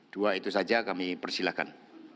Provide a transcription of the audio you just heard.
dua itu saja kami persilahkan